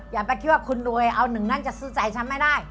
อย่าไปคิดว่าคุณรวยเอาหนึ่งนั้นจะซื้อใจฉันไม่ได้